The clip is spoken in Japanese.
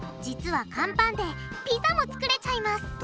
実は乾パンでピザも作れちゃいます